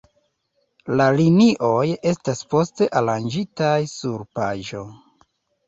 La linioj estas poste aranĝitaj sur paĝo.